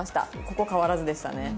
ここ変わらずでしたね。